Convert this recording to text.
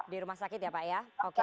di rumah sakit ya pak ya